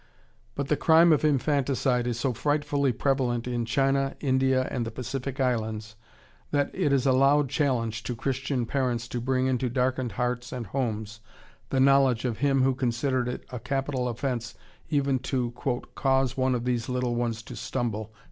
But the crime of infanticide is so frightfully prevalent in China, India, and the Pacific Islands that it is a loud challenge to Christian parents to bring into darkened hearts and homes the knowledge of Him who considered it a capital offense even to "cause one of these little ones to stumble."